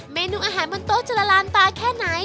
เมนูอาหารบนโต๊ะจะละลานตาแค่ไหน